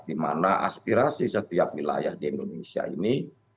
di mana aspirasi setiap wilayah di indonesia ini